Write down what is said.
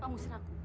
bapak musuh aku